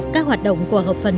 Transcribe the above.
các hoạt động của hợp phần